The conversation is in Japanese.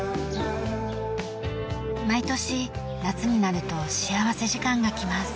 毎年夏になると幸福時間が来ます。